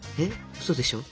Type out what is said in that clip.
うそでしょ？